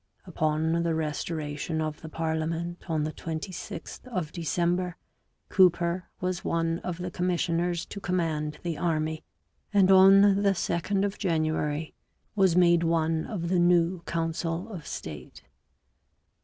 Upon the restoration of the parliament on the 26th of December Cooper was one of the commissioners to command the army, and on the 2nd of January was made one of the new council of state.